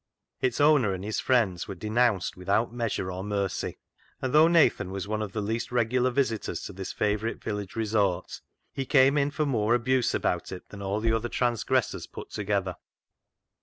Its owner and his friends were denounced without measure or mercy, and though Nathan was one of the least regular visitors to this favourite village resort, he came in for more abuse about it than all the other transgressors put together.